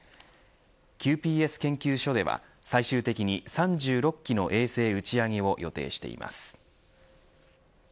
ＱＰＳ研究所では最終的に３６機の衛星打ち上げを予定しています。